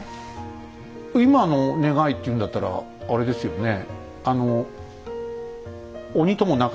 今の願いって言うんだったらあれですよね